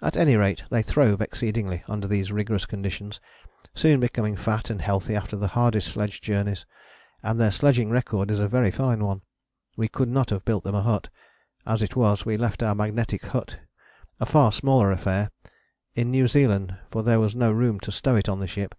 At any rate they throve exceedingly under these rigorous conditions, soon becoming fat and healthy after the hardest sledge journeys, and their sledging record is a very fine one. We could not have built them a hut; as it was, we left our magnetic hut, a far smaller affair, in New Zealand, for there was no room to stow it on the ship.